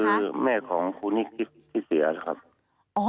คือแม่ของครูนิคิตที่เสียนะครับ